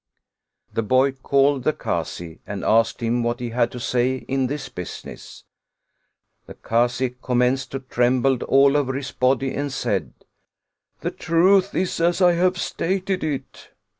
The boy called the Kazi, and asked him what he had to say in this business; the Kazi commenced to tremble all over his body, and said :" The truth is as I have stated it."